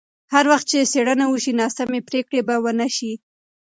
هر وخت چې څېړنه وشي، ناسمې پرېکړې به ونه شي.